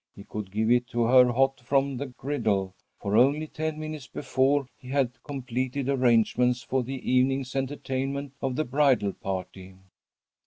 He could give it to her hot from the griddle, for only ten minutes before he had completed arrangements for the evening's entertainment of the bridal party.